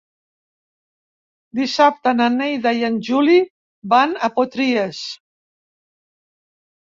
Dissabte na Neida i en Juli van a Potries.